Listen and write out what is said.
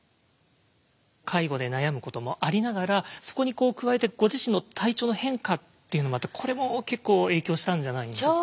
介護で悩むこともありながらそこにこう加えてご自身の体調の変化っていうのもこれも結構影響したんじゃないですか？